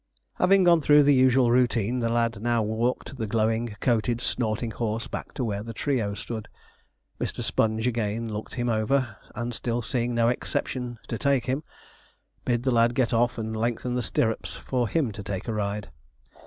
Having gone through the usual routine, the lad now walked the glowing coated snorting horse back to where the trio stood. Mr. Sponge again looked him over, and still seeing no exception to take to him, bid the lad get off and lengthen the stirrups for him to take a ride.